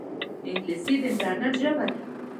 انګلیسي د انټرنیټ ژبه ده